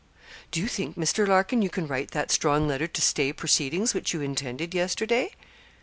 'Do you think, Mr. Larkin, you can write that strong letter to stay proceedings which you intended yesterday?'